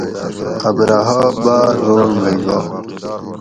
ابرھہ باۤر روڛ مئی گا